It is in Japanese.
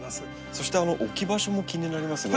そして置き場所も気になりますが。